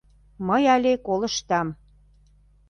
Мый але колыштам.